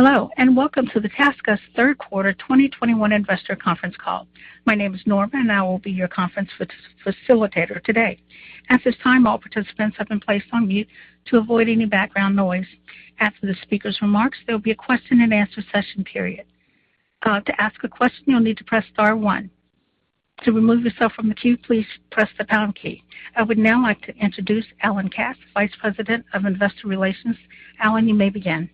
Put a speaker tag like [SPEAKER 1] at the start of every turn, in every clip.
[SPEAKER 1] Hello, and welcome to the TaskUs third quarter 2021 investor conference call. My name is Norma, and I will be your conference facilitator today. At this time, all participants have been placed on mute to avoid any background noise. After the speaker's remarks, there'll be a question and answer session period. To ask a question, you'll need to press star one. To remove yourself from the queue, please press the pound key. I would now like to introduce Alan Katz, Vice President of Investor Relations. Alan, you may begin.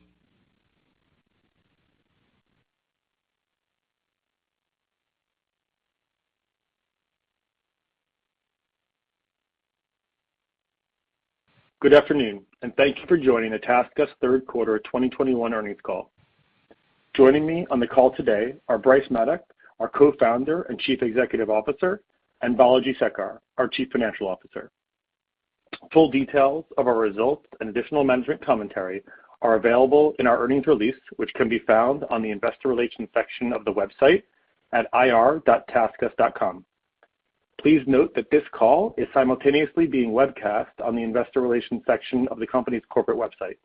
[SPEAKER 2] Good afternoon, and thank you for joining the TaskUs third quarter 2021 earnings call. Joining me on the call today are Bryce Maddock, our Co-founder and Chief Executive Officer, and Balaji Sekar, our Chief Financial Officer. Full details of our results and additional management commentary are available in our earnings release, which can be found on the investor relations section of the website at ir.taskus.com. Please note that this call is simultaneously being webcast on the investor relations section of the company's corporate website.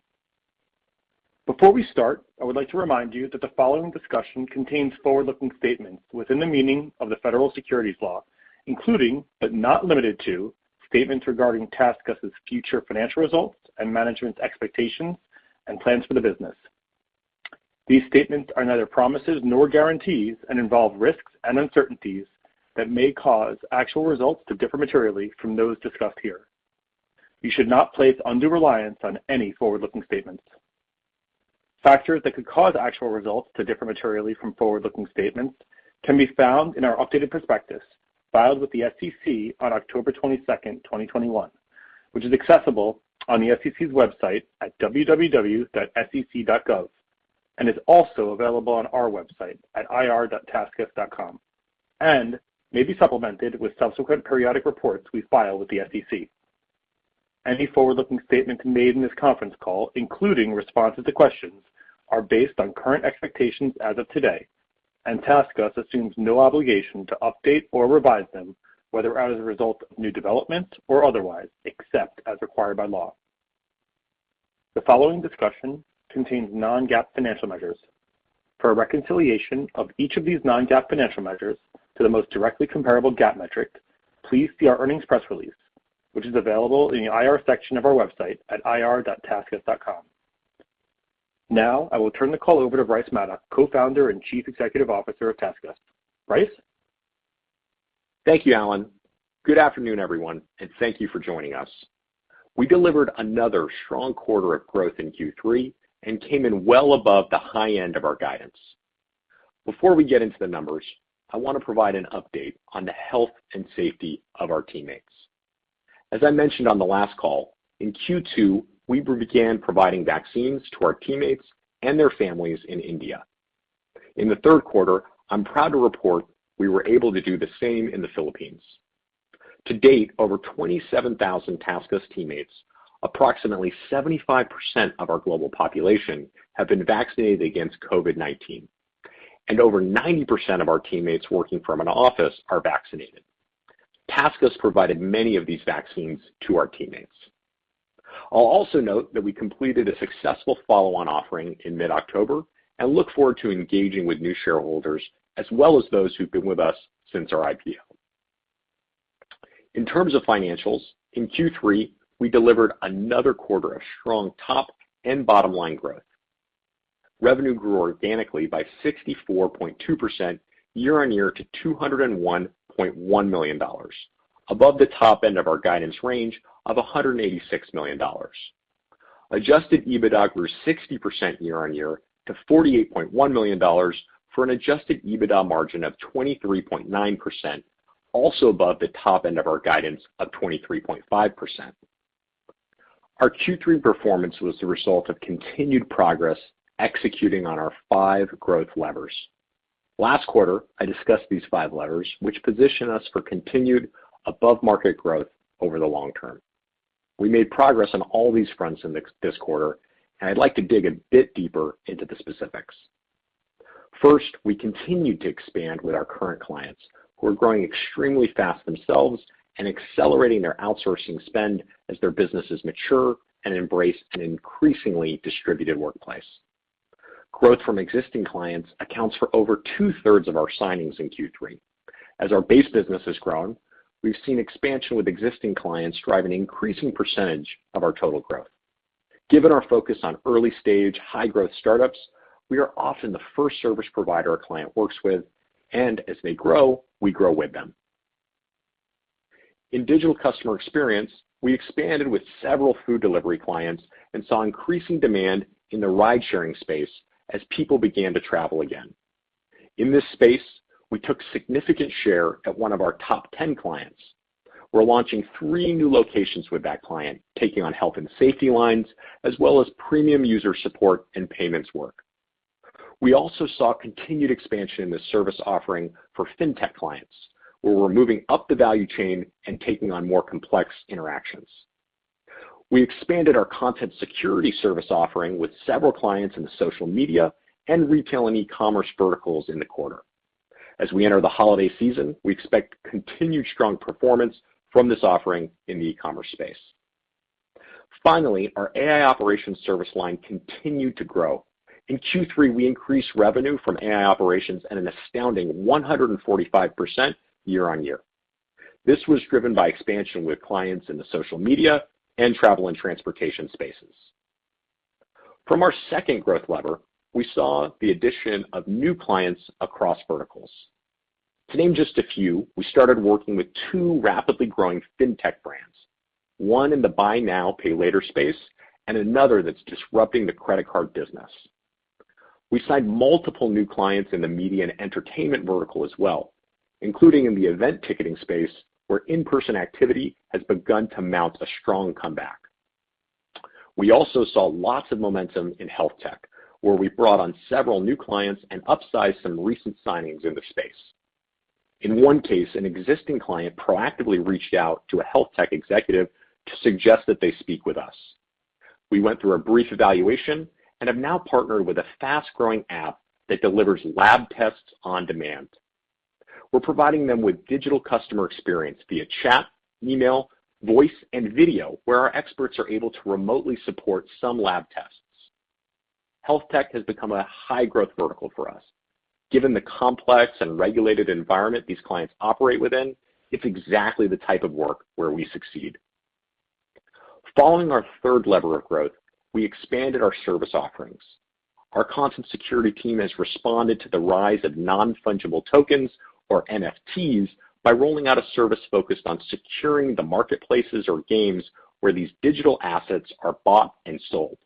[SPEAKER 2] Before we start, I would like to remind you that the following discussion contains forward-looking statements within the meaning of the federal securities law, including, but not limited to, statements regarding TaskUs' future financial results and management's expectations and plans for the business. These statements are neither promises nor guarantees and involve risks and uncertainties that may cause actual results to differ materially from those discussed here. You should not place undue reliance on any forward-looking statements. Factors that could cause actual results to differ materially from forward-looking statements can be found in our updated prospectus filed with the SEC on October 22, 2021, which is accessible on the SEC's website at www.sec.gov and is also available on our website at ir.taskus.com and may be supplemented with subsequent periodic reports we file with the SEC. Any forward-looking statements made in this conference call, including responses to questions, are based on current expectations as of today, and TaskUs assumes no obligation to update or revise them, whether as a result of new developments or otherwise, except as required by law. The following discussion contains non-GAAP financial measures. For a reconciliation of each of these non-GAAP financial measures to the most directly comparable GAAP metric, please see our earnings press release, which is available in the IR section of our website at ir.taskus.com. Now, I will turn the call over to Bryce Maddock, Co-founder and Chief Executive Officer of TaskUs. Bryce.
[SPEAKER 3] Thank you, Alan. Good afternoon, everyone, and thank you for joining us. We delivered another strong quarter of growth in Q3 and came in well above the high end of our guidance. Before we get into the numbers, I wanna provide an update on the health and safety of our teammates. As I mentioned on the last call, in Q2, we began providing vaccines to our teammates and their families in India. In the third quarter, I'm proud to report we were able to do the same in the Philippines. To date, over 27,000 TaskUs teammates, approximately 75% of our global population, have been vaccinated against COVID-19. Over 90% of our teammates working from an office are vaccinated. TaskUs provided many of these vaccines to our teammates. I'll also note that we completed a successful follow-on offering in mid-October and look forward to engaging with new shareholders as well as those who've been with us since our IPO. In terms of financials, in Q3, we delivered another quarter of strong top and bottom line growth. Revenue grew organically by 64.2% year-over-year to $201.1 million, above the top end of our guidance range of $186 million. Adjusted EBITDA grew 60% year-over-year to $48.1 million for an adjusted EBITDA margin of 23.9%, also above the top end of our guidance of 23.5%. Our Q3 performance was the result of continued progress executing on our five growth levers. Last quarter, I discussed these five levers, which position us for continued above market growth over the long term. We made progress on all these fronts in this quarter, and I'd like to dig a bit deeper into the specifics. First, we continued to expand with our current clients, who are growing extremely fast themselves and accelerating their outsourcing spend as their businesses mature and embrace an increasingly distributed workplace. Growth from existing clients accounts for over two-thirds of our signings in Q3. As our base business has grown, we've seen expansion with existing clients drive an increasing percentage of our total growth. Given our focus on early stage high growth startups, we are often the first service provider a client works with, and as they grow, we grow with them. In Digital Customer Experience, we expanded with several food delivery clients and saw increasing demand in the ride-sharing space as people began to travel again. In this space, we took significant share at one of our top ten clients. We're launching three new locations with that client, taking on health and safety lines as well as premium user support and payments work. We also saw continued expansion in the service offering for fintech clients, where we're moving up the value chain and taking on more complex interactions. We expanded our Content Security service offering with several clients in the social media and retail and e-commerce verticals in the quarter. As we enter the holiday season, we expect continued strong performance from this offering in the e-commerce space. Finally, our AI Operations service line continued to grow. In Q3, we increased revenue from AI Operations at an astounding 145% year-on-year. This was driven by expansion with clients in the social media and travel and transportation spaces. From our second growth lever, we saw the addition of new clients across verticals. To name just a few, we started working with two rapidly growing fintech brands, one in the buy now, pay later space and another that's disrupting the credit card business. We signed multiple new clients in the media and entertainment vertical as well, including in the event ticketing space, where in-person activity has begun to mount a strong comeback. We also saw lots of momentum in health tech, where we brought on several new clients and upsized some recent signings in the space. In one case, an existing client proactively reached out to a health tech executive to suggest that they speak with us. We went through a brief evaluation and have now partnered with a fast-growing app that delivers lab tests on demand. We're providing them with Digital Customer Experience via chat, email, voice, and video, where our experts are able to remotely support some lab tests. Health tech has become a high-growth vertical for us. Given the complex and regulated environment these clients operate within, it's exactly the type of work where we succeed. Following our third lever of growth, we expanded our service offerings. Our Content Security team has responded to the rise of non-fungible tokens or NFTs by rolling out a service focused on securing the marketplaces or games where these digital assets are bought and sold.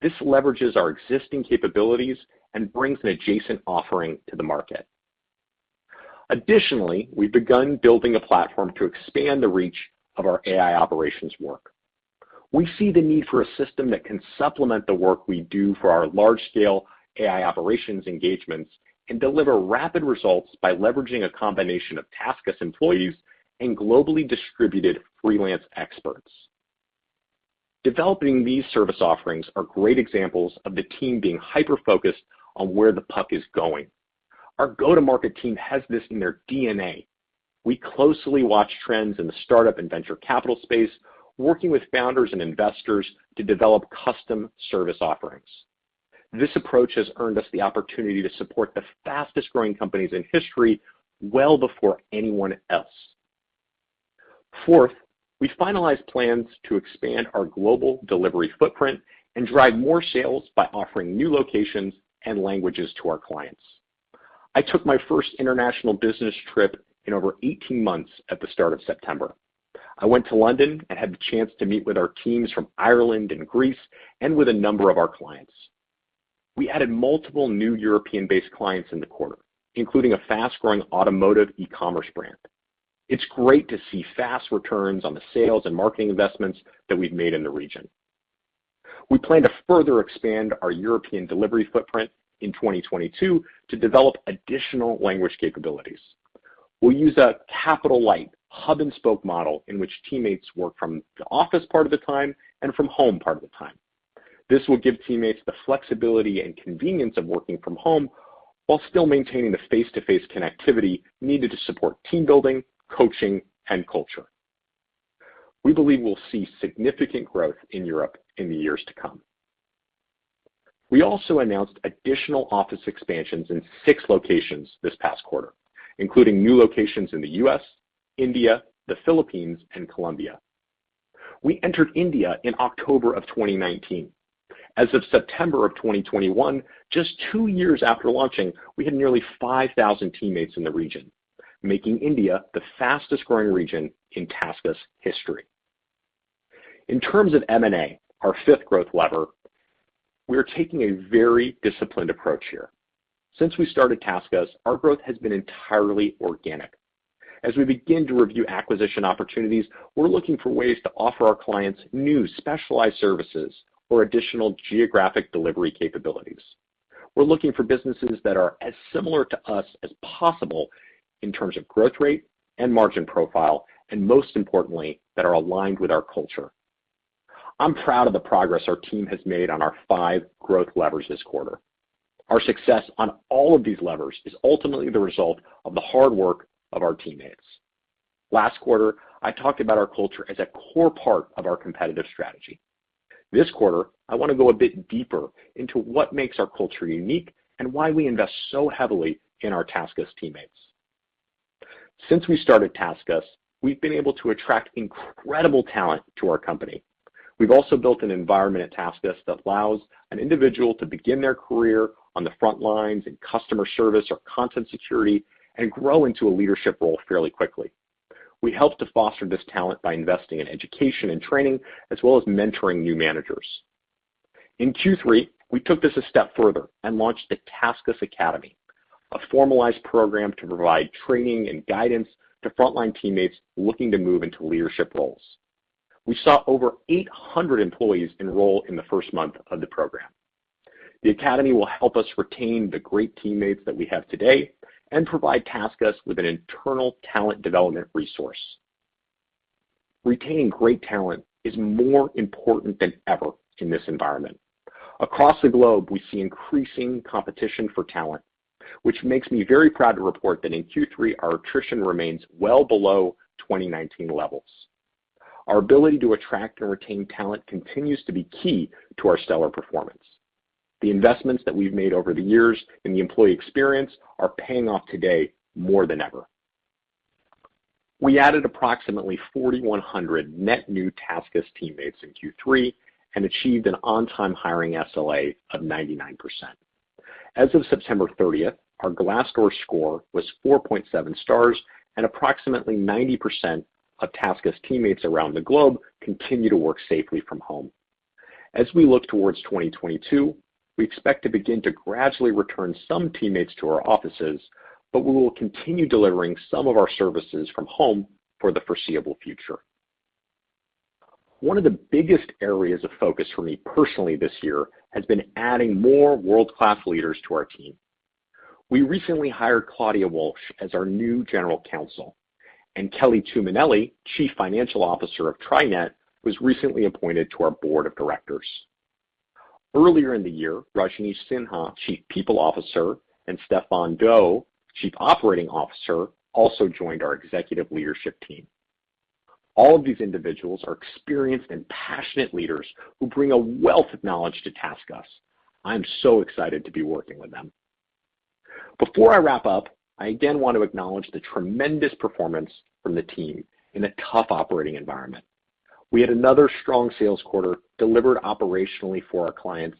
[SPEAKER 3] This leverages our existing capabilities and brings an adjacent offering to the market. Additionally, we've begun building a platform to expand the reach of our AI Operations work. We see the need for a system that can supplement the work we do for our large-scale AI Operations engagements and deliver rapid results by leveraging a combination of TaskUs employees and globally distributed freelance experts. Developing these service offerings are great examples of the team being hyper-focused on where the puck is going. Our go-to-market team has this in their DNA. We closely watch trends in the startup and venture capital space, working with founders and investors to develop custom service offerings. This approach has earned us the opportunity to support the fastest-growing companies in history well before anyone else. Fourth, we finalized plans to expand our global delivery footprint and drive more sales by offering new locations and languages to our clients. I took my first international business trip in over 18 months at the start of September. I went to London and had the chance to meet with our teams from Ireland and Greece and with a number of our clients. We added multiple new European-based clients in the quarter, including a fast-growing automotive e-commerce brand. It's great to see fast returns on the sales and marketing investments that we've made in the region. We plan to further expand our European delivery footprint in 2022 to develop additional language capabilities. We'll use a capital light hub-and-spoke model in which teammates work from the office part of the time and from home part of the time. This will give teammates the flexibility and convenience of working from home while still maintaining the face-to-face connectivity needed to support team building, coaching, and culture. We believe we'll see significant growth in Europe in the years to come. We also announced additional office expansions in six locations this past quarter, including new locations in the U.S., India, the Philippines, and Colombia. We entered India in October 2019. As of September 2021, just two years after launching, we had nearly 5,000 teammates in the region, making India the fastest-growing region in TaskUs history. In terms of M&A, our fifth growth lever, we are taking a very disciplined approach here. Since we started TaskUs, our growth has been entirely organic. As we begin to review acquisition opportunities, we're looking for ways to offer our clients new specialized services or additional geographic delivery capabilities. We're looking for businesses that are as similar to us as possible in terms of growth rate and margin profile, and most importantly, that are aligned with our culture. I'm proud of the progress our team has made on our five growth levers this quarter. Our success on all of these levers is ultimately the result of the hard work of our teammates. Last quarter, I talked about our culture as a core part of our competitive strategy. This quarter, I want to go a bit deeper into what makes our culture unique and why we invest so heavily in our TaskUs teammates. Since we started TaskUs, we've been able to attract incredible talent to our company. We've also built an environment at TaskUs that allows an individual to begin their career on the front lines in customer service or content security and grow into a leadership role fairly quickly. We help to foster this talent by investing in education and training as well as mentoring new managers. In Q3, we took this a step further and launched the TaskUs Academy, a formalized program to provide training and guidance to frontline teammates looking to move into leadership roles. We saw over 800 employees enroll in the first month of the program. The academy will help us retain the great teammates that we have today and provide TaskUs with an internal talent development resource. Retaining great talent is more important than ever in this environment. Across the globe, we see increasing competition for talent, which makes me very proud to report that in Q3, our attrition remains well below 2019 levels. Our ability to attract and retain talent continues to be key to our stellar performance. The investments that we've made over the years in the employee experience are paying off today more than ever. We added approximately 4,100 net new TaskUs teammates in Q3 and achieved an on-time hiring SLA of 99%. As of September 30, our Glassdoor score was 4.7 stars and approximately 90% of TaskUs teammates around the globe continue to work safely from home. As we look towards 2022, we expect to begin to gradually return some teammates to our offices, but we will continue delivering some of our services from home for the foreseeable future. One of the biggest areas of focus for me personally this year has been adding more world-class leaders to our team. We recently hired Claudia Walsh as our new General Counsel, and Kelly Tuminelli, Chief Financial Officer of TriNet, was recently appointed to our board of directors. Earlier in the year, Rajnish Sinha, Chief People Officer, and Stephan Daoust, Chief Operating Officer, also joined our executive leadership team. All of these individuals are experienced and passionate leaders who bring a wealth of knowledge to TaskUs. I'm so excited to be working with them. Before I wrap up, I again want to acknowledge the tremendous performance from the team in a tough operating environment. We had another strong sales quarter delivered operationally for our clients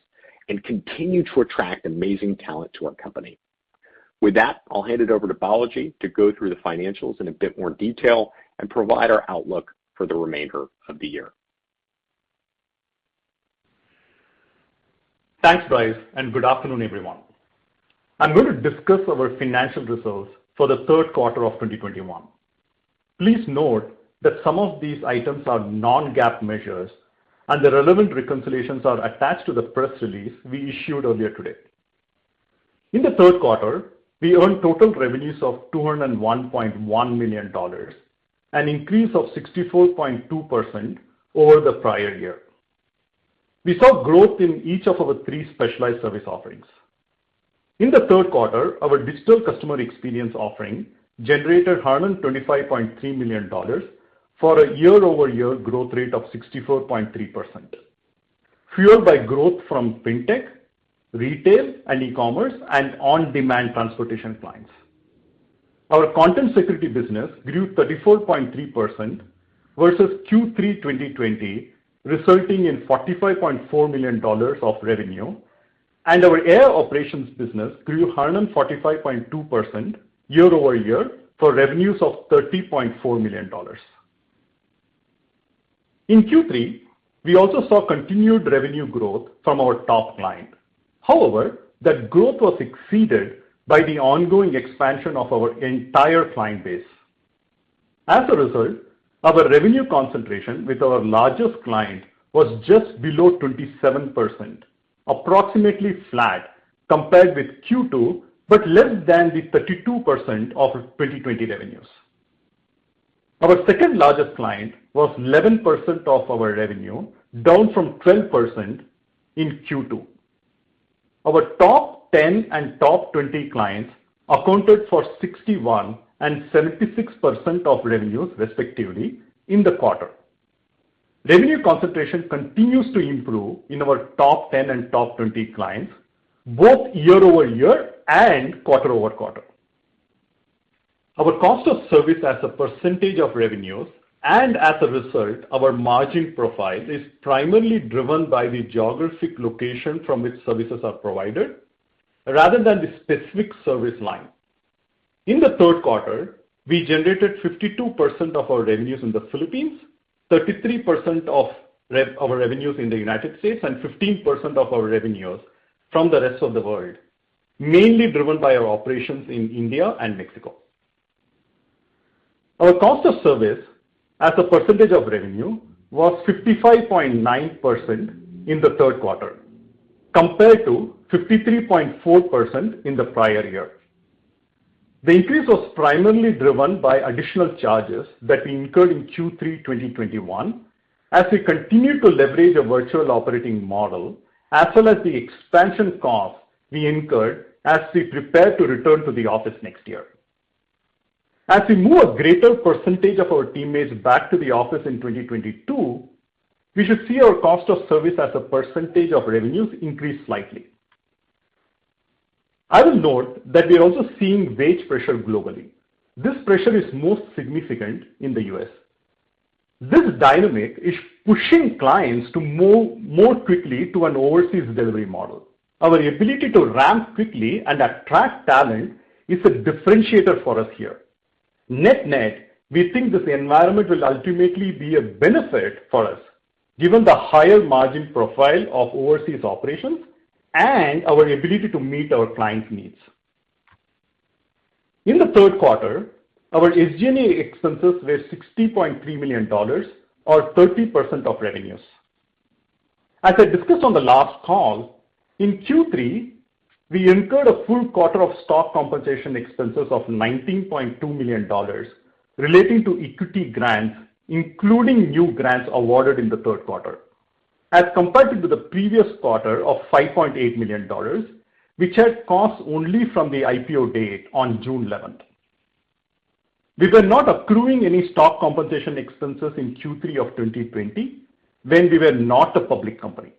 [SPEAKER 3] and continue to attract amazing talent to our company. With that, I'll hand it over to Balaji to go through the financials in a bit more detail and provide our outlook for the remainder of the year.
[SPEAKER 4] Thanks, Bryce, and good afternoon, everyone. I'm going to discuss our financial results for the third quarter of 2021. Please note that some of these items are non-GAAP measures, and the relevant reconciliations are attached to the press release we issued earlier today. In the third quarter, we earned total revenues of $201.1 million, an increase of 64.2% over the prior year. We saw growth in each of our three specialized service offerings. In the third quarter, our Digital Customer Experience offering generated $125.3 million for a year-over-year growth rate of 64.3%, fueled by growth from fintech, retail and e-commerce, and on-demand transportation clients. Our Content Security business grew 34.3% versus Q3 2020, resulting in $45.4 million of revenue, and our AI Operations business grew 145.2% year-over-year for revenues of $30.4 million. In Q3, we also saw continued revenue growth from our top client. However, that growth was exceeded by the ongoing expansion of our entire client base. As a result, our revenue concentration with our largest client was just below 27%, approximately flat compared with Q2, but less than the 32% of our 2020 revenues. Our second largest client was 11% of our revenue, down from 12% in Q2. Our top ten and top twenty clients accounted for 61 and 76% of revenues, respectively, in the quarter. Revenue concentration continues to improve in our top ten and top twenty clients, both year-over-year and quarter-over-quarter. Our cost of service as a percentage of revenues and as a result, our margin profile, is primarily driven by the geographic location from which services are provided rather than the specific service line. In the third quarter, we generated 52% of our revenues in the Philippines, 33% of our revenues in the United States, and 15% of our revenues from the rest of the world, mainly driven by our operations in India and Mexico. Our cost of service as a percentage of revenue was 55.9% in the third quarter, compared to 53.4% in the prior year. The increase was primarily driven by additional charges that we incurred in Q3 2021 as we continue to leverage a virtual operating model, as well as the expansion costs we incurred as we prepare to return to the office next year. As we move a greater percentage of our teammates back to the office in 2022, we should see our cost of service as a percentage of revenues increase slightly. I will note that we are also seeing wage pressure globally. This pressure is most significant in the U.S. This dynamic is pushing clients to move more quickly to an overseas delivery model. Our ability to ramp quickly and attract talent is a differentiator for us here. Net-net, we think this environment will ultimately be a benefit for us, given the higher margin profile of overseas operations and our ability to meet our clients' needs. In the third quarter, our SG&A expenses were $60.3 million or 30% of revenues. As I discussed on the last call, in Q3, we incurred a full quarter of stock compensation expenses of $19.2 million relating to equity grants, including new grants awarded in the third quarter, as compared to the previous quarter of $5.8 million, which had costs only from the IPO date on June eleventh. We were not accruing any stock compensation expenses in Q3 of 2020 when we were not a public company.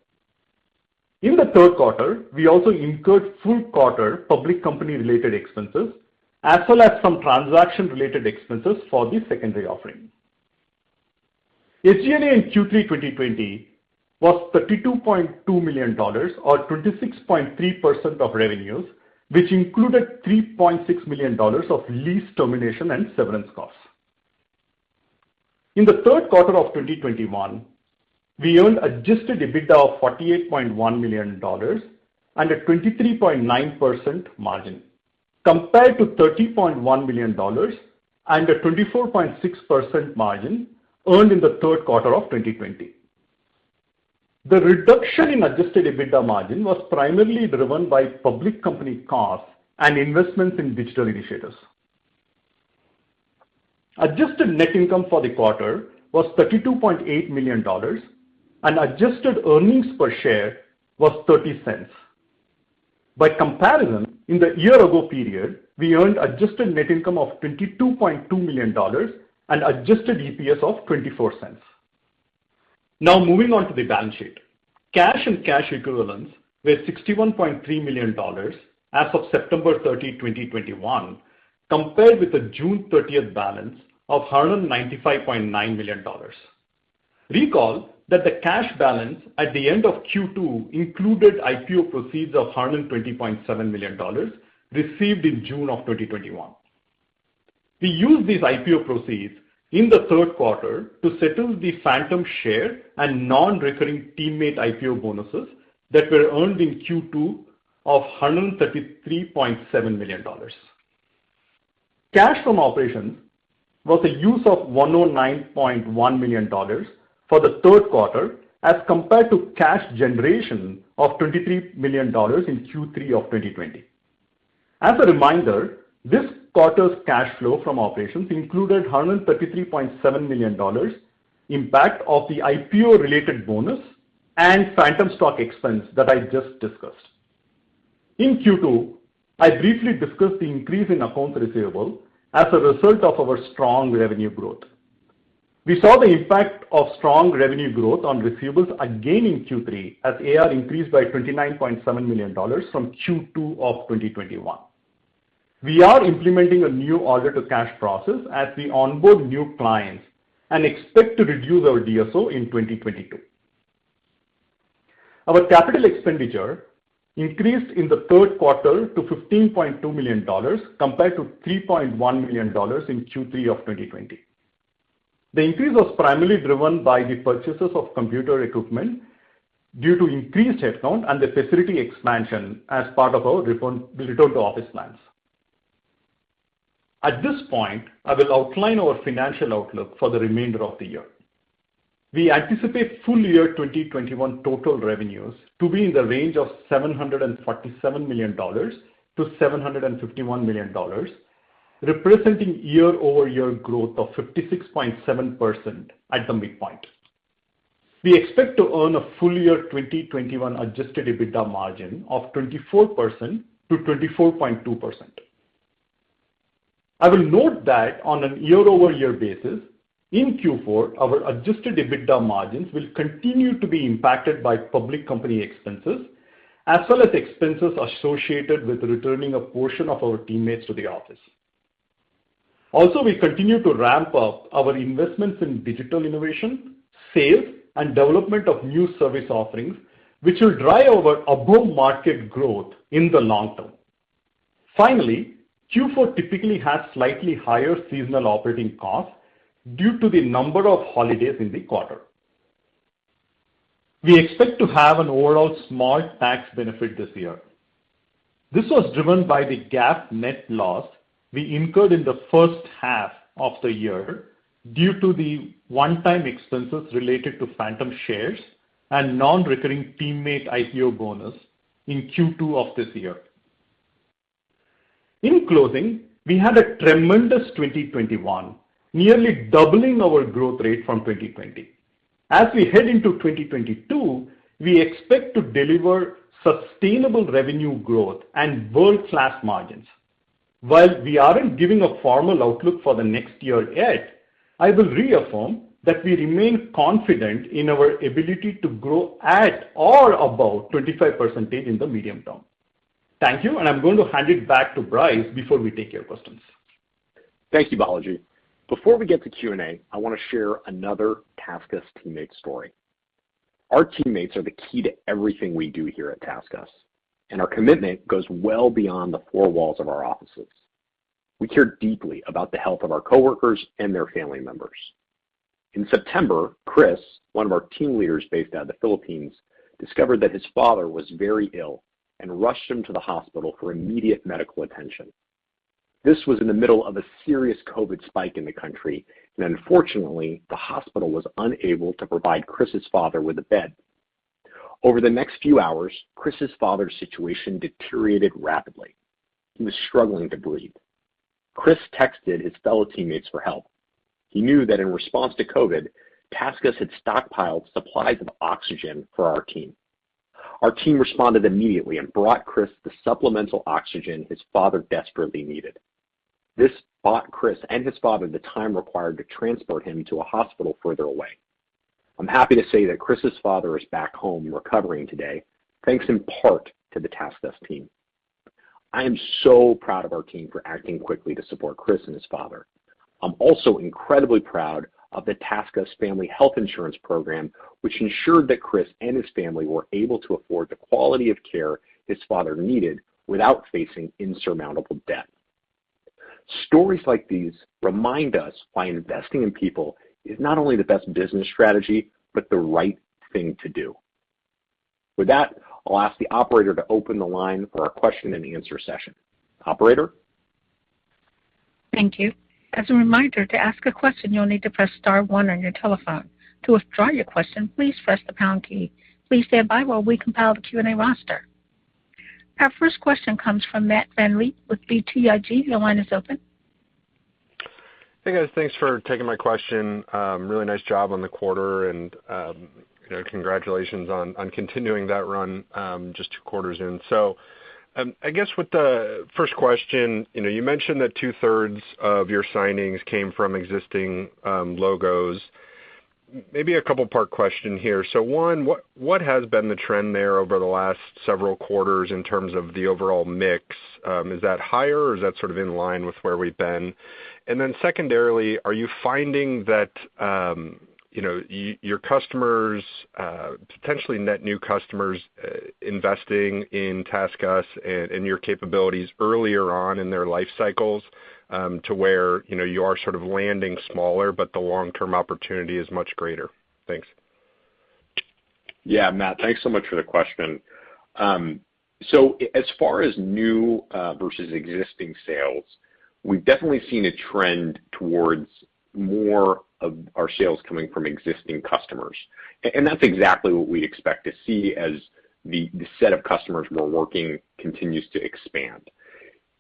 [SPEAKER 4] In the third quarter, we also incurred full quarter public company-related expenses as well as some transaction-related expenses for the secondary offering. SG&A in Q3 2020 was $32.2 million or 26.3% of revenues, which included $3.6 million of lease termination and severance costs. In the third quarter of 2021, we earned adjusted EBITDA of $48.1 million and a 23.9% margin compared to $30.1 million and a 24.6% margin earned in the third quarter of 2020. The reduction in adjusted EBITDA margin was primarily driven by public company costs and investments in digital initiatives. Adjusted net income for the quarter was $32.8 million and adjusted earnings per share was $0.30. By comparison, in the year-ago period, we earned adjusted net income of $22.2 million and adjusted EPS of $0.24. Now moving on to the balance sheet. Cash and cash equivalents were $61.3 million as of September 30, 2021, compared with the June 30 balance of $195.9 million. Recall that the cash balance at the end of Q2 included IPO proceeds of $120.7 million received in June 2021. We used these IPO proceeds in the third quarter to settle the phantom share and non-recurring teammate IPO bonuses that were earned in Q2 of $133.7 million. Cash from operations was a use of $109.1 million for the third quarter as compared to cash generation of $23 million in Q3 2020. As a reminder, this quarter's cash flow from operations included $133.7 million impact of the IPO-related bonus and phantom stock expense that I just discussed. In Q2, I briefly discussed the increase in accounts receivable as a result of our strong revenue growth. We saw the impact of strong revenue growth on receivables again in Q3 as AR increased by $29.7 million from Q2 of 2021. We are implementing a new order to cash process as we onboard new clients and expect to reduce our DSO in 2022. Our capital expenditure increased in the third quarter to $15.2 million compared to $3.1 million in Q3 of 2020. The increase was primarily driven by the purchases of computer equipment due to increased headcount and the facility expansion as part of our return to office plans. At this point, I will outline our financial outlook for the remainder of the year. We anticipate full year 2021 total revenues to be in the range of $747 million-$751 million, representing year-over-year growth of 56.7% at the midpoint. We expect to earn a full year 2021 Adjusted EBITDA margin of 24%-24.2%. I will note that on a year-over-year basis, in Q4, our Adjusted EBITDA margins will continue to be impacted by public company expenses as well as expenses associated with returning a portion of our teammates to the office. Also, we continue to ramp up our investments in digital innovation, sales, and development of new service offerings, which will drive above-market growth in the long term. Finally, Q4 typically has slightly higher seasonal operating costs due to the number of holidays in the quarter. We expect to have an overall small tax benefit this year. This was driven by the GAAP net loss we incurred in the first half of the year due to the one-time expenses related to phantom shares and non-recurring teammate IPO bonus in Q2 of this year. In closing, we had a tremendous 2021, nearly doubling our growth rate from 2020. As we head into 2022, we expect to deliver sustainable revenue growth and world-class margins. While we aren't giving a formal outlook for the next year yet, I will reaffirm that we remain confident in our ability to grow at or above 25% in the medium term. Thank you, and I'm going to hand it back to Bryce before we take your questions.
[SPEAKER 3] Thank you, Balaji. Before we get to Q&A, I wanna share another TaskUs teammate story. Our teammates are the key to everything we do here at TaskUs, and our commitment goes well beyond the four walls of our offices. We care deeply about the health of our coworkers and their family members. In September, Chris, one of our team leaders based out of the Philippines, discovered that his father was very ill and rushed him to the hospital for immediate medical attention. This was in the middle of a serious COVID spike in the country, and unfortunately, the hospital was unable to provide Chris's father with a bed. Over the next few hours, Chris's father's situation deteriorated rapidly. He was struggling to breathe. Chris texted his fellow teammates for help. He knew that in response to COVID, TaskUs had stockpiled supplies of oxygen for our team. Our team responded immediately and brought Chris the supplemental oxygen his father desperately needed. This bought Chris and his father the time required to transport him to a hospital further away. I'm happy to say that Chris's father is back home recovering today, thanks in part to the TaskUs team. I am so proud of our team for acting quickly to support Chris and his father. I'm also incredibly proud of the TaskUs family health insurance program, which ensured that Chris and his family were able to afford the quality of care his father needed without facing insurmountable debt. Stories like these remind us why investing in people is not only the best business strategy but the right thing to do. With that, I'll ask the operator to open the line for a question-and-answer session. Operator?
[SPEAKER 1] Thank you. As a reminder, to ask a question, you'll need to press star one on your telephone. To withdraw your question, please press the pound key. Please stand by while we compile the Q&A roster. Our first question comes from Matt VanVliet with BTIG. Your line is open.
[SPEAKER 5] Hey, guys. Thanks for taking my question. Really nice job on the quarter and, you know, congratulations on continuing that run just two quarters in. I guess with the first question, you know, you mentioned that two-thirds of your signings came from existing logos. Maybe a couple part question here. One, what has been the trend there over the last several quarters in terms of the overall mix? Is that higher, or is that sort of in line with where we've been? Secondarily, are you finding that, you know, your customers, potentially net new customers, investing in TaskUs and your capabilities earlier on in their life cycles, to where, you know, you are sort of landing smaller, but the long-term opportunity is much greater? Thanks.
[SPEAKER 3] Yeah, Matt, thanks so much for the question. As far as new versus existing sales, we've definitely seen a trend towards more of our sales coming from existing customers. That's exactly what we expect to see as the set of customers we're working continues to expand.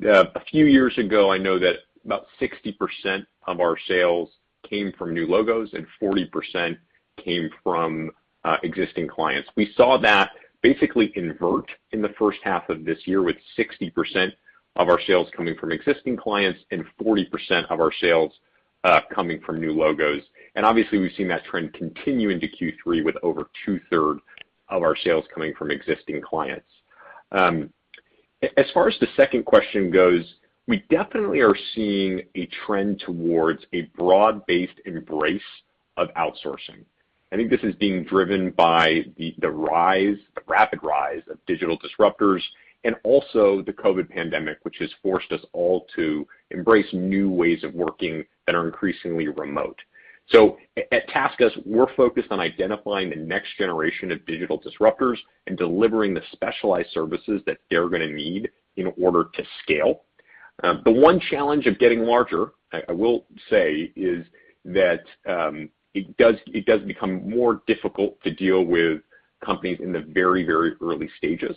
[SPEAKER 3] A few years ago, I know that about 60% of our sales came from new logos and 40% came from existing clients. We saw that basically invert in the first half of this year, with 60% of our sales coming from existing clients and 40% of our sales coming from new logos. Obviously, we've seen that trend continue into Q3 with over two-thirds of our sales coming from existing clients. As far as the second question goes, we definitely are seeing a trend towards a broad-based embrace of outsourcing. I think this is being driven by the rapid rise of digital disruptors and also the COVID pandemic, which has forced us all to embrace new ways of working that are increasingly remote. At TaskUs, we're focused on identifying the next generation of digital disruptors and delivering the specialized services that they're gonna need in order to scale. The one challenge of getting larger, I will say, is that it does become more difficult to deal with companies in the very early stages.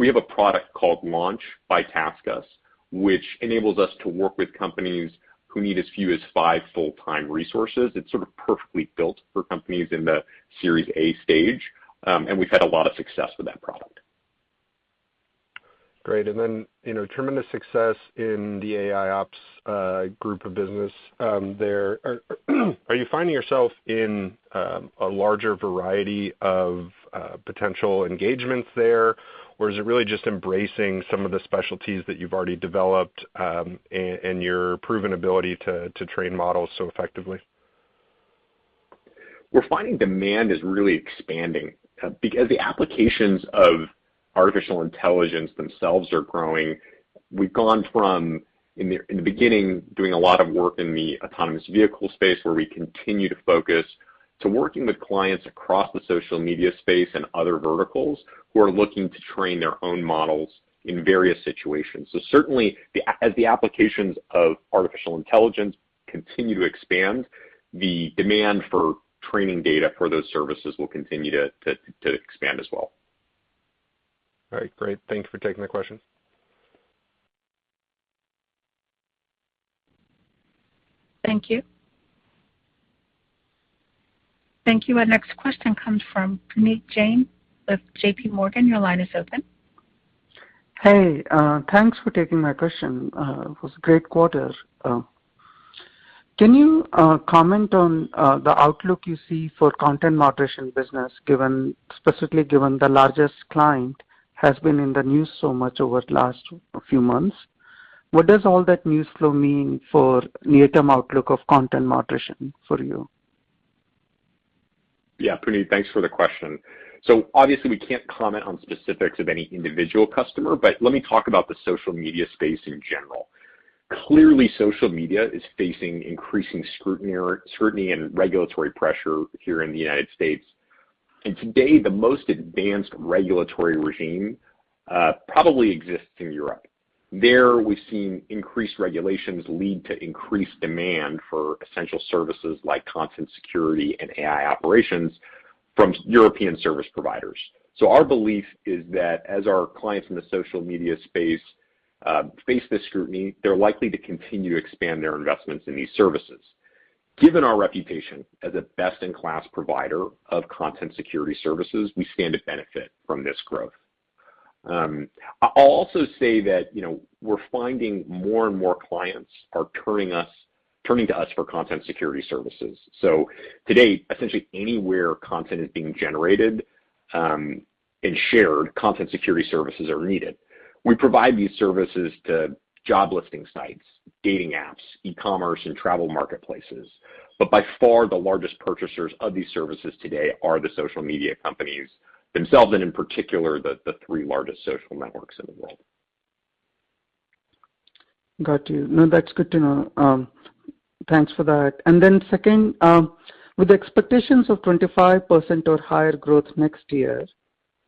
[SPEAKER 3] We have a product called Launch by TaskUs, which enables us to work with companies who need as few as 5 full-time resources. It's sort of perfectly built for companies in the series A stage, and we've had a lot of success with that product.
[SPEAKER 5] Great. You know, tremendous success in the AI ops group of business. Are you finding yourself in a larger variety of potential engagements there, or is it really just embracing some of the specialties that you've already developed, and your proven ability to train models so effectively?
[SPEAKER 3] We're finding demand is really expanding. Because the applications of artificial intelligence themselves are growing, we've gone from, in the beginning, doing a lot of work in the autonomous vehicle space, where we continue to focus, to working with clients across the social media space and other verticals who are looking to train their own models in various situations. Certainly as the applications of artificial intelligence continue to expand, the demand for training data for those services will continue to expand as well.
[SPEAKER 5] All right, great. Thank you for taking the question.
[SPEAKER 1] Thank you. Thank you. Our next question comes from Puneet Jain with JP Morgan. Your line is open.
[SPEAKER 6] Hey, thanks for taking my question. It was a great quarter. Can you comment on the outlook you see for content moderation business given, specifically given the largest client has been in the news so much over the last few months? What does all that news flow mean for near-term outlook of content moderation for you?
[SPEAKER 3] Yeah, Puneet, thanks for the question. Obviously, we can't comment on specifics of any individual customer, but let me talk about the social media space in general. Clearly, social media is facing increasing scrutiny and regulatory pressure here in the United States. Today, the most advanced regulatory regime probably exists in Europe. There we've seen increased regulations lead to increased demand for essential services like content security and AI Operations from European service providers. Our belief is that as our clients in the social media space face this scrutiny, they're likely to continue to expand their investments in these services. Given our reputation as a best-in-class provider of content security services, we stand to benefit from this growth. I'll also say that, you know, we're finding more and more clients are turning to us for content security services. To date, essentially anywhere content is being generated and shared, content security services are needed. We provide these services to job listing sites, dating apps, e-commerce and travel marketplaces. By far, the largest purchasers of these services today are the social media companies themselves, and in particular, the three largest social networks in the world.
[SPEAKER 6] Got you. No, that's good to know. Thanks for that. Then second, with the expectations of 25% or higher growth next year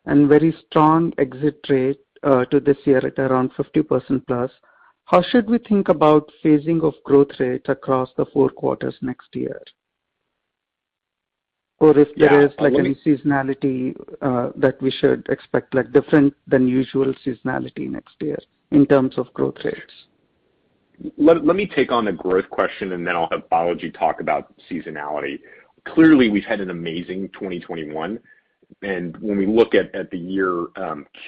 [SPEAKER 6] and very strong exit rate to this year at around 50% plus, how should we think about phasing of growth rate across the four quarters next year? Or if there is like any seasonality that we should expect, like different than usual seasonality next year in terms of growth rates.
[SPEAKER 3] Let me take on the growth question, and then I'll have Balaji talk about seasonality. Clearly, we've had an amazing 2021, and when we look at the year,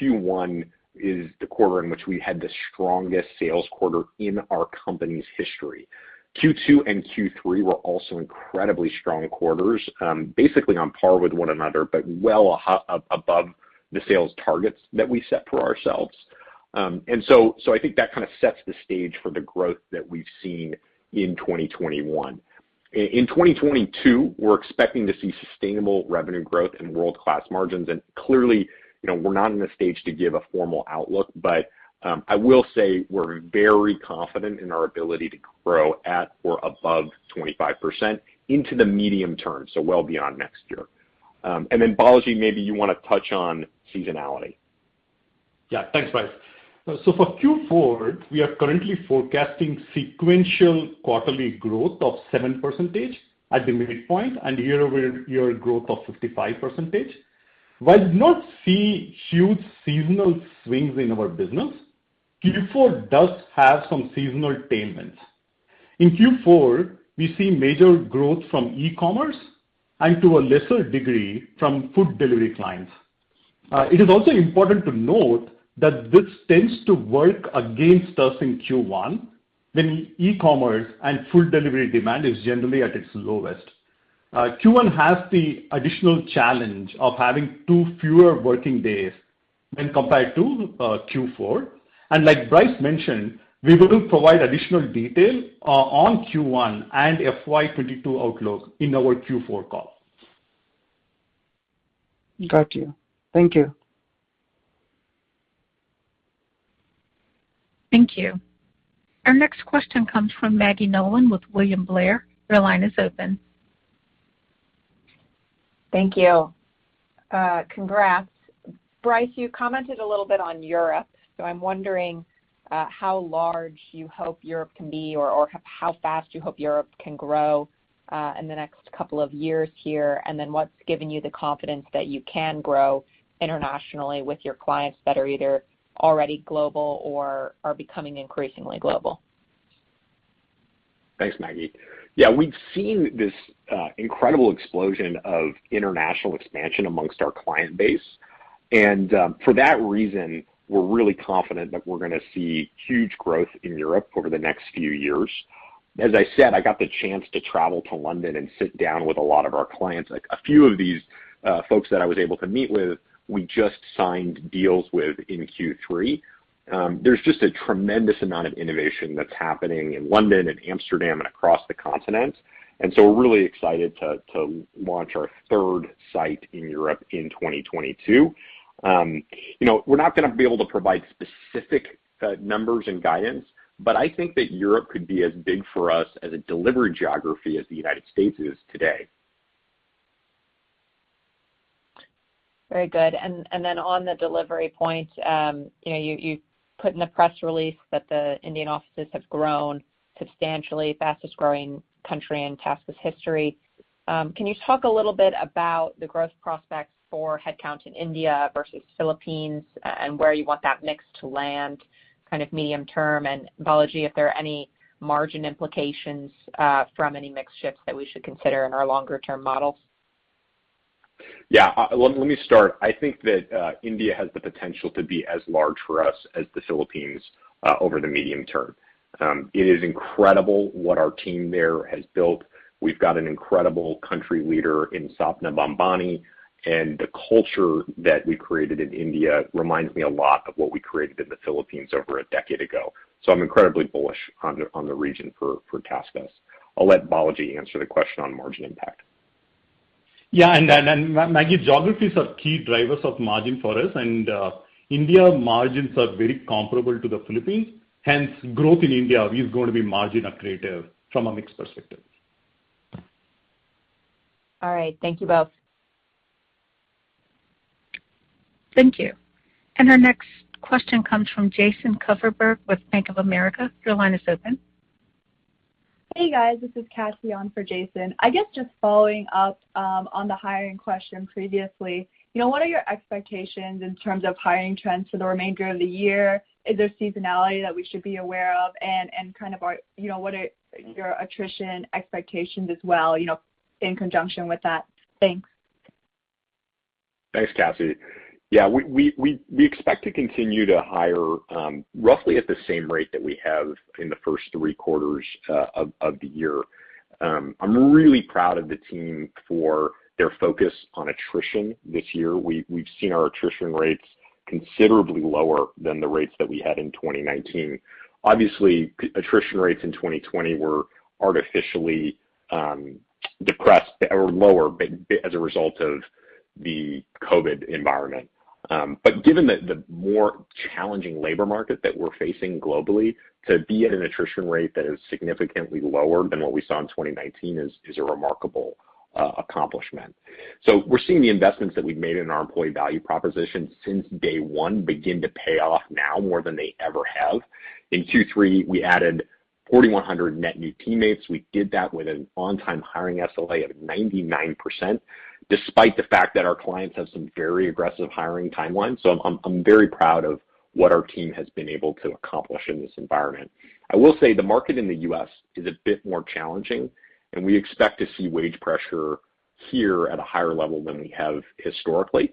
[SPEAKER 3] Q1 is the quarter in which we had the strongest sales quarter in our company's history. Q2 and Q3 were also incredibly strong quarters, basically on par with one another, but well above the sales targets that we set for ourselves. So I think that kinda sets the stage for the growth that we've seen in 2021. In 2022, we're expecting to see sustainable revenue growth and world-class margins, and clearly, you know, we're not in a stage to give a formal outlook, but I will say we're very confident in our ability to grow at or above 25% into the medium term, so well beyond next year. Balaji, maybe you wanna touch on seasonality.
[SPEAKER 4] Yeah. Thanks, Bryce. So for Q4, we are currently forecasting sequential quarterly growth of 7% at the midpoint and year-over-year growth of 55%. While we do not see huge seasonal swings in our business, Q4 does have some seasonal tailwinds. In Q4, we see major growth from e-commerce and to a lesser degree, from food delivery clients. It is also important to note that this tends to work against us in Q1, when e-commerce and food delivery demand is generally at its lowest. Q1 has the additional challenge of having two fewer working days when compared to Q4. Like Bryce mentioned, we will provide additional detail on Q1 and FY 2022 outlook in our Q4 call.
[SPEAKER 6] Got you. Thank you.
[SPEAKER 1] Thank you. Our next question comes from Maggie Nolan with William Blair. Your line is open.
[SPEAKER 7] Thank you. Congrats. Bryce, you commented a little bit on Europe, so I'm wondering how large you hope Europe can be or how fast you hope Europe can grow in the next couple of years here, and then what's given you the confidence that you can grow internationally with your clients that are either already global or are becoming increasingly global?
[SPEAKER 3] Thanks, Maggie. Yeah. We've seen this incredible explosion of international expansion among our client base. For that reason, we're really confident that we're gonna see huge growth in Europe over the next few years. As I said, I got the chance to travel to London and sit down with a lot of our clients. A few of these folks that I was able to meet with, we just signed deals with in Q3. There's just a tremendous amount of innovation that's happening in London and Amsterdam and across the continent, so we're really excited to launch our third site in Europe in 2022. You know, we're not gonna be able to provide specific numbers and guidance, but I think that Europe could be as big for us as a delivery geography as the United States is today.
[SPEAKER 7] Very good. Then on the delivery point, you know, you put in the press release that the Indian offices have grown substantially, fastest growing country in TaskUs history. Can you talk a little bit about the growth prospects for headcount in India versus Philippines and where you want that mix to land kind of medium term? Balaji, if there are any margin implications from any mix shifts that we should consider in our longer term models?
[SPEAKER 3] Yeah. Let me start. I think that India has the potential to be as large for us as the Philippines over the medium term. It is incredible what our team there has built. We've got an incredible country leader in Sapna Bhambani, and the culture that we created in India reminds me a lot of what we created in the Philippines over a decade ago. I'm incredibly bullish on the region for TaskUs. I'll let Balaji answer the question on margin impact.
[SPEAKER 4] Maggie, geographies are key drivers of margin for us, and India margins are very comparable to the Philippines, hence growth in India is going to be margin accretive from a mix perspective.
[SPEAKER 7] All right. Thank you both.
[SPEAKER 1] Thank you. Our next question comes from Jason Kupferberg with Bank of America. Your line is open.
[SPEAKER 8] Hey, guys. This is Cassie on for Jason. I guess just following up on the hiring question previously. You know, what are your expectations in terms of hiring trends for the remainder of the year? Is there seasonality that we should be aware of, and kind of, are you know, what are your attrition expectations as well, you know, in conjunction with that? Thanks.
[SPEAKER 3] Thanks, Cassie. Yeah, we expect to continue to hire roughly at the same rate that we have in the first three quarters of the year. I'm really proud of the team for their focus on attrition this year. We've seen our attrition rates considerably lower than the rates that we had in 2019. Obviously, attrition rates in 2020 were artificially depressed or lower as a result of the COVID environment. But given the more challenging labor market that we're facing globally, to be at an attrition rate that is significantly lower than what we saw in 2019 is a remarkable accomplishment. We're seeing the investments that we've made in our employee value proposition since day one begin to pay off now more than they ever have. In Q3, we added 4,100 net new teammates. We did that with an on-time hiring SLA of 99% despite the fact that our clients have some very aggressive hiring timelines. I'm very proud of what our team has been able to accomplish in this environment. I will say the market in the U.S. is a bit more challenging, and we expect to see wage pressure here at a higher level than we have historically.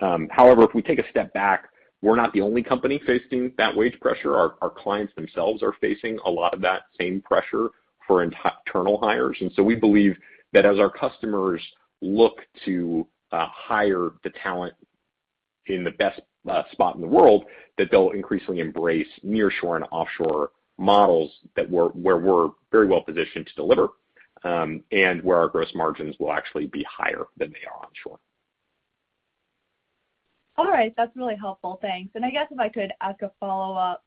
[SPEAKER 3] However, if we take a step back, we're not the only company facing that wage pressure. Our clients themselves are facing a lot of that same pressure for internal hires. We believe that as our customers look to hire the talent in the best spot in the world, that they'll increasingly embrace nearshore and offshore models where we're very well positioned to deliver, and where our gross margins will actually be higher than they are onshore.
[SPEAKER 8] All right. That's really helpful. Thanks. I guess if I could ask a follow-up.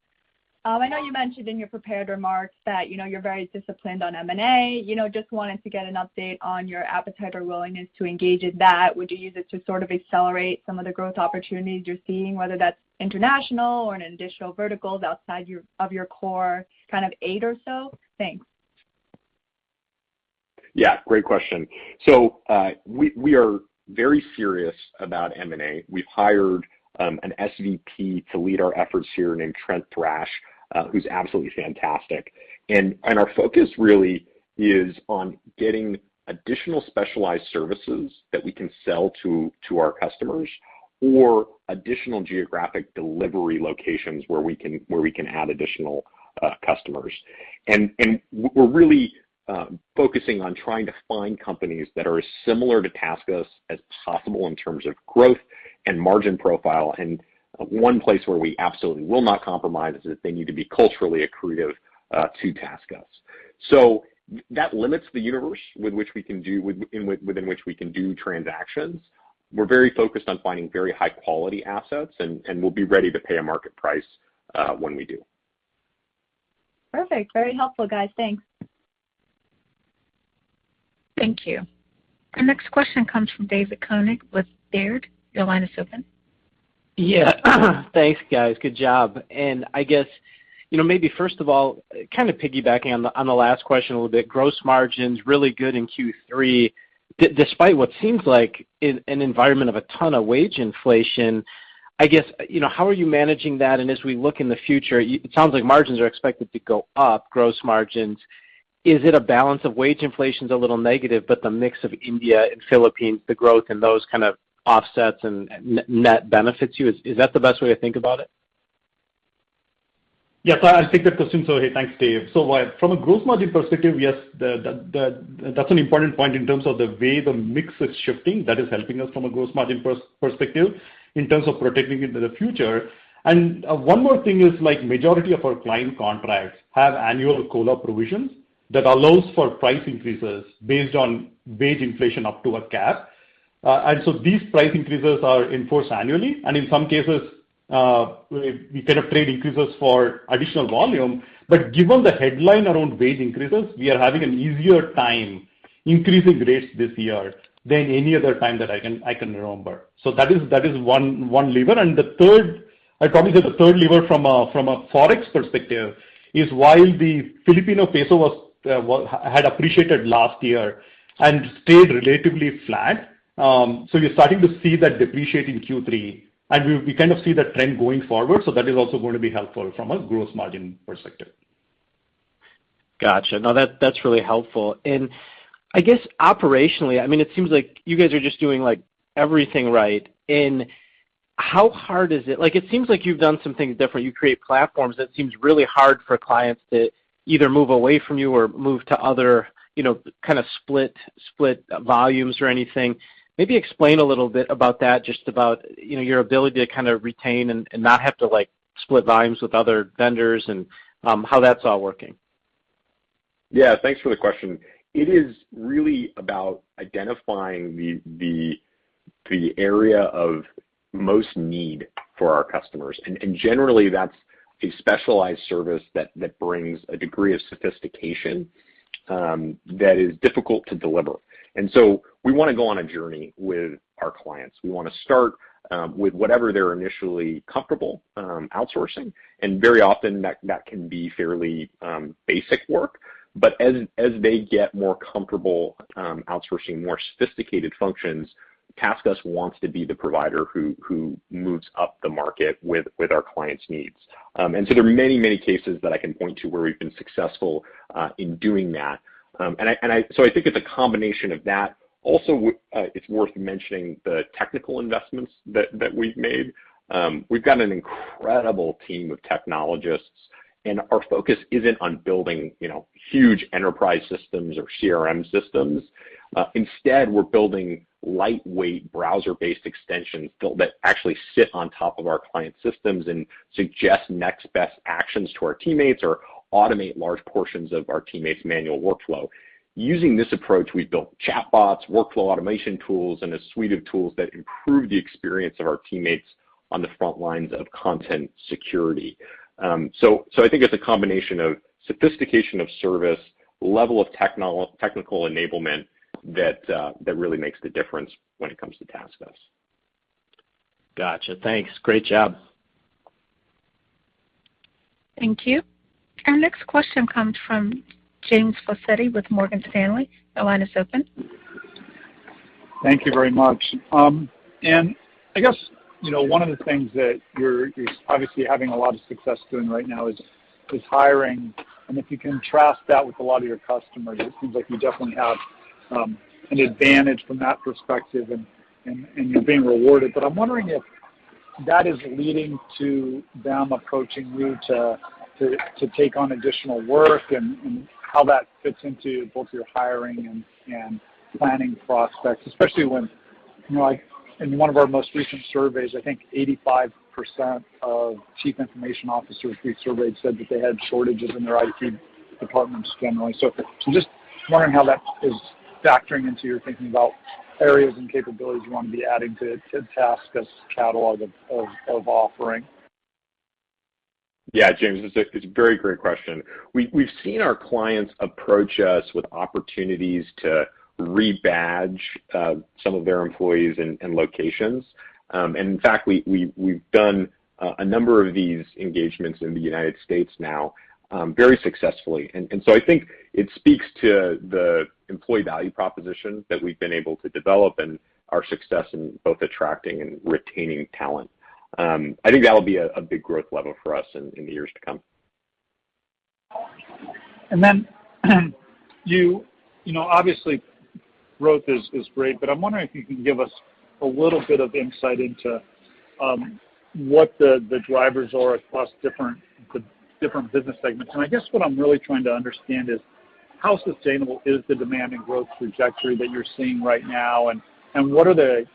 [SPEAKER 8] I know you mentioned in your prepared remarks that, you know, you're very disciplined on M&A. You know, just wanted to get an update on your appetite or willingness to engage in that. Would you use it to sort of accelerate some of the growth opportunities you're seeing, whether that's international or in additional verticals outside of your core kind of eight or so? Thanks.
[SPEAKER 3] Yeah, great question. We are very serious about M&A. We've hired an SVP to lead our efforts here named Trent Thrash, who's absolutely fantastic. Our focus really is on getting additional specialized services that we can sell to our customers or additional geographic delivery locations where we can add additional customers. We're really focusing on trying to find companies that are as similar to TaskUs as possible in terms of growth and margin profile. One place where we absolutely will not compromise is that they need to be culturally accretive to TaskUs. That limits the universe within which we can do transactions. We're very focused on finding very high-quality assets, and we'll be ready to pay a market price when we do.
[SPEAKER 8] Perfect. Very helpful, guys. Thanks.
[SPEAKER 1] Thank you. Our next question comes from David Koning with Baird. Your line is open.
[SPEAKER 9] Yeah. Thanks, guys. Good job. I guess, you know, maybe first of all, kind of piggybacking on the last question a little bit, gross margins really good in Q3, despite what seems like an environment of a ton of wage inflation. I guess, you know, how are you managing that? As we look in the future, it sounds like margins are expected to go up, gross margins. Is it a balance of wage inflation is a little negative, but the mix of India and Philippines, the growth in those kind of offsets and net benefits you? Is that the best way to think about it?
[SPEAKER 4] Yeah, I'll take that question. Hey, thanks, Dave. From a gross margin perspective, yes, that's an important point in terms of the way the mix is shifting. That is helping us from a gross margin perspective in terms of protecting into the future. One more thing is like majority of our client contracts have annual COLA provisions that allows for price increases based on wage inflation up to a cap. These price increases are enforced annually, and in some cases, we kind of trade increases for additional volume. Given the headline around wage increases, we are having an easier time increasing rates this year than any other time that I can remember. That is one lever. The third, I probably say the third lever from a forex perspective is while the Philippine peso had appreciated last year and stayed relatively flat, so you're starting to see that depreciate in Q3, and we kind of see that trend going forward. That is also going to be helpful from a gross margin perspective.
[SPEAKER 9] Gotcha. No, that's really helpful. I guess operationally, I mean, it seems like you guys are just doing, like, everything right. How hard is it? Like, it seems like you've done some things different. You create platforms that seems really hard for clients to either move away from you or move to other, you know, kind of split volumes or anything. Maybe explain a little bit about that, just about, you know, your ability to kind of retain and not have to, like, split volumes with other vendors and how that's all working.
[SPEAKER 3] Yeah, thanks for the question. It is really about identifying the area of most need for our customers. Generally, that's a specialized service that brings a degree of sophistication that is difficult to deliver. We wanna go on a journey with our clients. We wanna start with whatever they're initially comfortable outsourcing, and very often that can be fairly basic work. But as they get more comfortable outsourcing more sophisticated functions, TaskUs wants to be the provider who moves up the market with our clients' needs. There are many cases that I can point to where we've been successful in doing that. I think it's a combination of that. It's worth mentioning the technical investments that we've made. We've got an incredible team of technologists, and our focus isn't on building, you know, huge enterprise systems or CRM systems. Instead, we're building lightweight browser-based extensions that actually sit on top of our client systems and suggest next best actions to our teammates or automate large portions of our teammates' manual workflow. Using this approach, we've built chatbots, workflow automation tools, and a suite of tools that improve the experience of our teammates on the front lines of content security. I think it's a combination of sophistication of service, level of technical enablement that really makes the difference when it comes to TaskUs.
[SPEAKER 9] Gotcha. Thanks. Great job.
[SPEAKER 1] Thank you. Our next question comes from James Faucette with Morgan Stanley. The line is open.
[SPEAKER 10] Thank you very much. I guess, you know, one of the things that you're obviously having a lot of success doing right now is hiring. If you contrast that with a lot of your customers, it seems like you definitely have an advantage from that perspective and you're being rewarded. I'm wondering if that is leading to them approaching you to take on additional work and how that fits into both your hiring and planning prospects, especially when, you know, like in one of our most recent surveys, I think 85% of chief information officers we surveyed said that they had shortages in their IT departments generally. Just wondering how that is factoring into your thinking about areas and capabilities you wanna be adding to TaskUs catalog of offering.
[SPEAKER 3] Yeah, James, it's a very great question. We've seen our clients approach us with opportunities to rebadge some of their employees and locations. In fact, we've done a number of these engagements in the United States now, very successfully. I think it speaks to the employee value proposition that we've been able to develop and our success in both attracting and retaining talent. I think that'll be a big growth lever for us in the years to come.
[SPEAKER 10] You know, obviously growth is great, but I'm wondering if you can give us a little bit of insight into what the drivers are across different business segments. I guess what I'm really trying to understand is how sustainable is the demand and growth trajectory that you're seeing right now, and what are the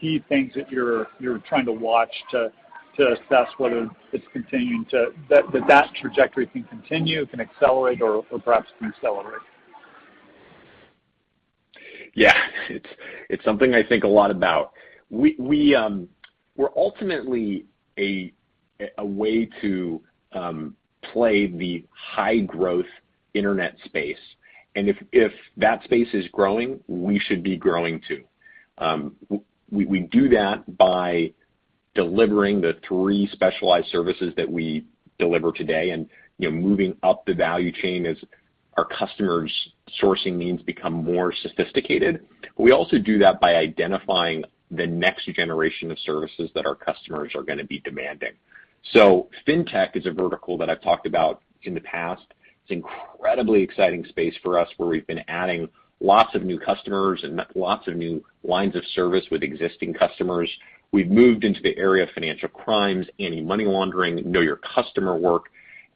[SPEAKER 10] key things that you're trying to watch to assess whether that trajectory can continue, can accelerate or perhaps can accelerate?
[SPEAKER 3] Yeah. It's something I think a lot about. We ultimately are a way to play the high growth internet space. If that space is growing, we should be growing, too. We do that by delivering the three specialized services that we deliver today and, you know, moving up the value chain as our customers' sourcing needs become more sophisticated. We also do that by identifying the next generation of services that our customers are gonna be demanding. Fintech is a vertical that I've talked about in the past. It's incredibly exciting space for us, where we've been adding lots of new customers and lots of new lines of service with existing customers. We've moved into the area of financial crimes, anti-money laundering, know your customer work.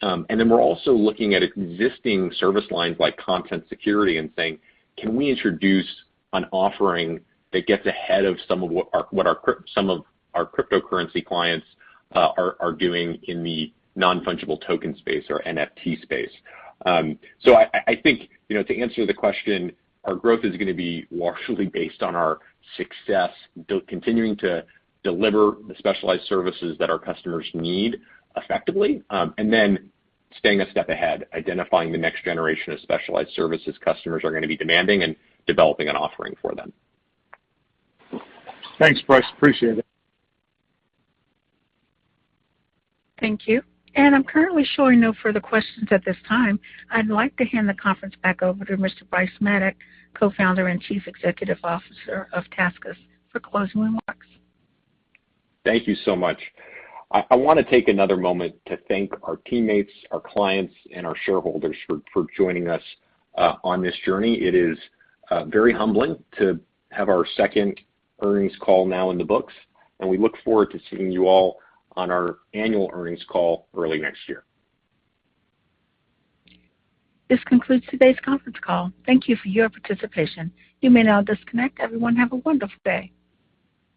[SPEAKER 3] We're also looking at existing service lines like content security and saying, "Can we introduce an offering that gets ahead of some of what our cryptocurrency clients are doing in the non-fungible token space or NFT space?" I think, you know, to answer the question, our growth is gonna be largely based on our success continuing to deliver the specialized services that our customers need effectively, and then staying a step ahead, identifying the next generation of specialized services customers are gonna be demanding and developing an offering for them.
[SPEAKER 10] Thanks, Bryce. Appreciate it.
[SPEAKER 1] Thank you. I'm currently showing no further questions at this time. I'd like to hand the conference back over to Mr. Bryce Maddock, Co-founder and Chief Executive Officer of TaskUs for closing remarks.
[SPEAKER 3] Thank you so much. I wanna take another moment to thank our teammates, our clients, and our shareholders for joining us on this journey. It is very humbling to have our second earnings call now in the books, and we look forward to seeing you all on our annual earnings call early next year.
[SPEAKER 1] This concludes today's conference call. Thank you for your participation. You may now disconnect. Everyone, have a wonderful day.